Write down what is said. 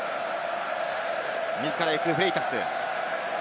自らいく、フレイタス。